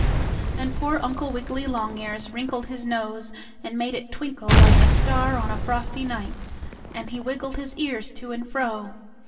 and poor Uncle Wiggily Longears wrinkled his nose and made it twinkle like a star on a frosty night, and he wiggled his ears to and fro.